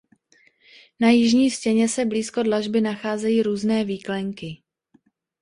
Na jižní stěně se blízko dlažby nacházejí různé výklenky.